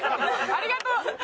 ありがとう。